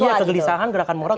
iya kegelisahan gerakan moral